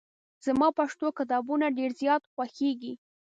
زما پښتو کتابونه ډېر زیات خوښېږي.